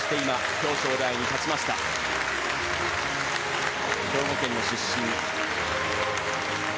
兵庫県の出身。